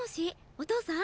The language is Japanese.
お父さん。